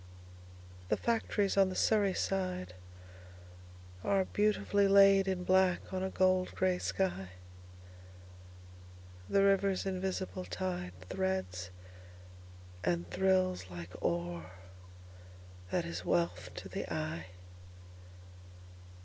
The factories on the Surrey sideAre beautifully laid in black on a gold grey sky. The river's invisible tideThreads and thrills like ore that is wealth to the eye.